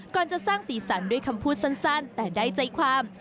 จะสร้างสีสันด้วยคำพูดสั้นแต่ได้ใจความ